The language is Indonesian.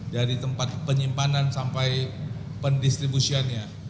dari tempat penyimpanan sampai pendistribusiannya